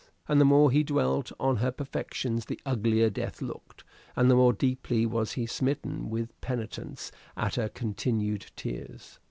And the more he dwelt on her perfections, the uglier death looked, and the more deeply was he smitten with penitence at her continued tears.